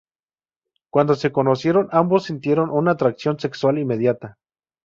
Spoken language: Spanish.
Cuando se conocieron, "ambos sintieron una atracción sexual inmediata".